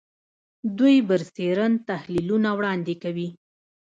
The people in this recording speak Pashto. دوی برسېرن تحلیلونه وړاندې کوي